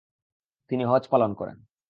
তিনি হজ পালন করেন।